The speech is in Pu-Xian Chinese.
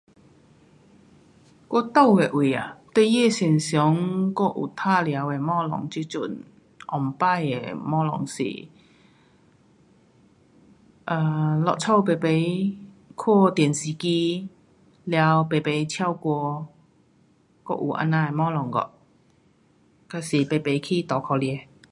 我住的位呀，孩儿最常还有玩耍的东西这阵，以前的东西是在家排排看电视机。完，排排唱歌。还有这样的东西哦。还是排排去搭脚车。